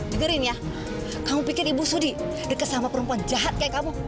dengerin ya kamu pikir ibu sudi dekat sama perempuan jahat kayak kamu